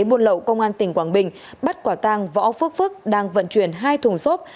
buôn lậu công an tỉnh quảng bình bắt quả tàng võ phước phước đang vận chuyển hai thùng xốp